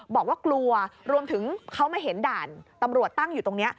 บอกว่ากลัวรวมถึงเขามาเห็นด่านตำรวจตั้งอยู่ตรงนี้